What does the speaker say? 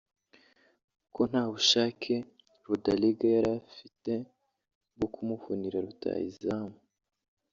ko nta bushake Rodallega yari afite bwo kumuvunira rutahizamu